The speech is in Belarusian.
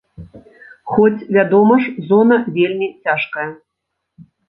Хоць, вядома ж, зона вельмі цяжкая.